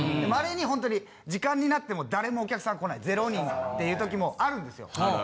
稀にほんとに時間になっても誰もお客さん来ない０人っていうときもあるんですよ。